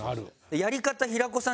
やり方平子さん